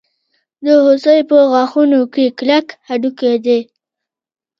د هوسۍ په غاښونو کې کلک هډوکی دی.